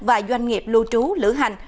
và doanh nghiệp lưu trú lửa hành